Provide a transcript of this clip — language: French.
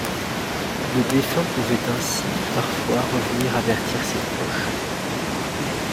Le défunt pouvait ainsi parfois revenir avertir ses proches.